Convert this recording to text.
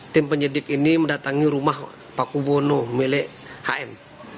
tim penyidik ini mendatangi rumah pakuwono milik hm